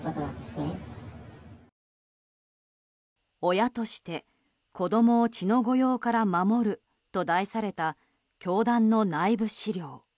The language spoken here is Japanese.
「親として子供を血の誤用から守る」と題された教団の内部資料。